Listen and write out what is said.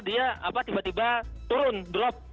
dia tiba tiba turun drop